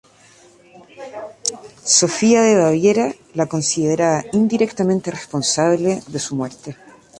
Sofía de Baviera la consideraba indirectamente responsable de su muerte.